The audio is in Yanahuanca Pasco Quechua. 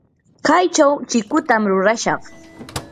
kaychaw chikutam rurashaq.